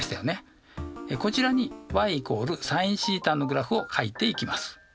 こちらにｙ＝ｓｉｎθのグラフをかいていきます。